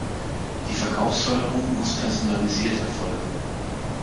Die Verkaufsförderung muss personalisiert erfolgen.